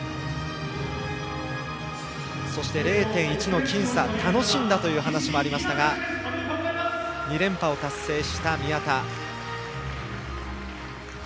０．１の僅差、楽しんだという話もありましたが２連覇を達成した宮田。